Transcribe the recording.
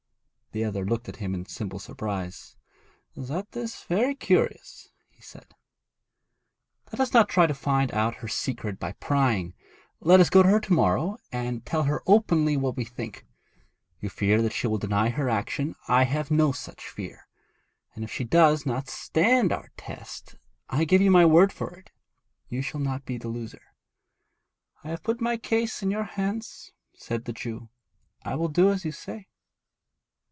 The other looked at him in simple surprise. 'That is very curious,' he said. 'Let us not try to find out her secret by prying; let us go to her to morrow, and tell her openly what we think. You fear that she will deny her action; I have no such fear; and if she does not stand our test, I give you my word for it, you shall not be the loser.' 'I have put my case in your hands,' said the Jew. 'I will do as you say.'